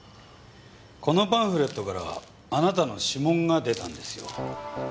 このパンフレットからあなたの指紋が出たんですよ。